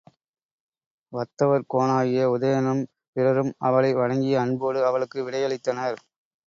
வத்தவர்கோனாகிய உதயணனும் பிறரும் அவளை வணங்கி அன்போடு அவளுக்கு விடையளித்தனர்.